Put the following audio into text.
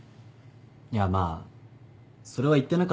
いやまあそれは言ってなかった俺も悪いんで。